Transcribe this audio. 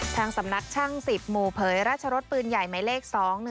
ทางสำนักช่าง๑๐หมู่เผยราชรสปืนใหญ่หมายเลข๒๑